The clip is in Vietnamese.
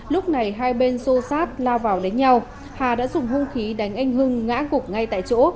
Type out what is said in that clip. lúc này hai bên xô xát lao vào đánh nhau hà đã dùng hương khí đánh anh hưng ngã cục ngay tại chỗ